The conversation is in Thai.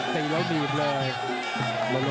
ตีแล้วบีบเลย